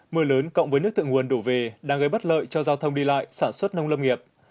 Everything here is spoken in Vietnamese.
mưa lớn cộng với nước thượng nguồn đổ về đang gây bất lợi cho giao thông đi lại sản xuất nông lâm nghiệp